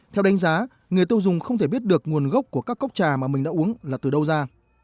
theo đánh giá người tiêu dùng không thể biết được nguồn gốc của các cốc trà mà mình đã uống là từ đâu ra